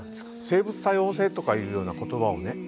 生物多様性とかいうような言葉をね